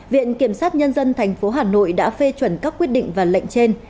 viện kiểm sát nhân dân thành phố hà nội đã phê chuẩn các quyết định và lệnh trên